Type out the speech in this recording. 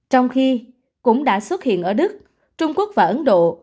trong khi cũng đã xuất hiện ở đức trung quốc và ấn độ